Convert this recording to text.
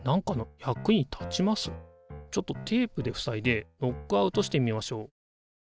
ちょっとテープでふさいでノックアウトしてみましょう。